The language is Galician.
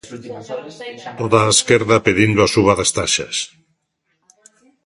Toda a esquerda pedindo a suba das taxas.